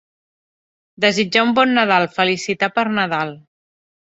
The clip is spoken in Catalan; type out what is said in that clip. Desitjar un bon Nadal, felicitar per Nadal.